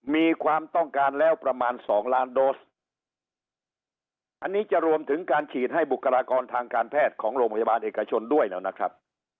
มีความต้องการแล้วประมาณสองล้านโดสอันนี้จะรวมถึงการฉีดให้บุคลากรทางการแพทย์ของโรงพยาบาลเอกชนด้วยแล้วนะครับ